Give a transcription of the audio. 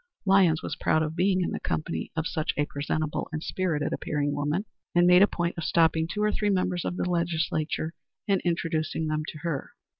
Lyons was proud of being in the company of such a presentable and spirited appearing woman, and made a point of stopping two or three members of the legislature and introducing them to her.